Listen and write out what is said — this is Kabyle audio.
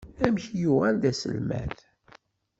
Amek i yuɣal d aselmad?